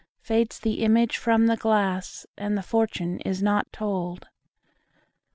Fades the image from the glass, And the fortune is not told.